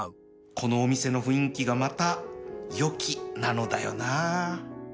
このお店の雰囲気がまたよきなのだよなあ